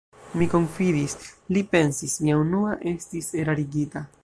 Mi konfidis, li pensis: mi unua estis erarigita.